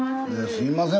すいません